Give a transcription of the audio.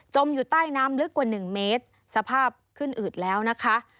อยู่ใต้น้ำลึกกว่า๑เมตรสภาพขึ้นอืดแล้วนะคะ